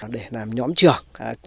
để làm nhóm trưởng